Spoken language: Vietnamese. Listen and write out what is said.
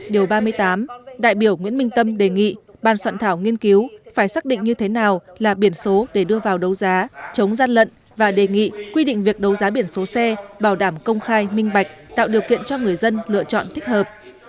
điều ba mươi tám đại biểu nguyễn minh tâm đề nghị ban soạn thảo nghiên cứu phải xác định như thế nào là biển số để đưa vào đấu giá chống gian lận và đề nghị quy định việc đấu giá biển số xe bảo đảm công khai minh bạch tạo điều kiện cho người dân lựa chọn thích hợp